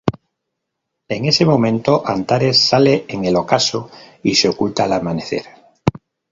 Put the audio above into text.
En ese momento Antares sale en el ocaso y se oculta al amanecer.